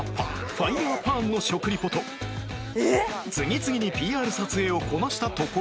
ファイヤーパーンの食リポと次々に ＰＲ 撮影をこなしたところで